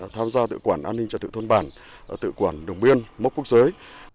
tham gia tự quản an ninh trạng thượng thôn bản tự quản đồng biên mốc quốc giới